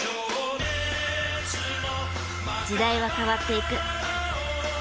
時代は変わっていく。